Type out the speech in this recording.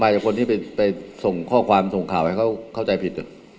มาจากคนที่ไปส่งข่าวให้เข้าใจผิด